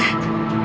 tolong beritahu dia